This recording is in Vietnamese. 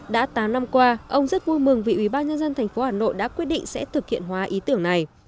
đã tám năm qua ông rất vui mừng vì ủy ban nhân dân tp hà nội đã quyết định sẽ thực hiện hóa ý tưởng này